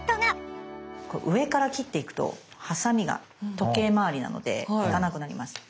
上から切っていくとハサミが時計まわりなので行かなくなります。